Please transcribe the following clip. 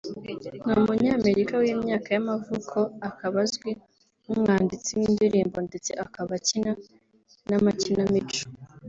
Ni Umunyamerika w’imyaka y’amavuko akaba azwi nk’umwanditsi w’indirimbo ndetse akaba akina n’amakinamico